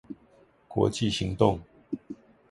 國際行動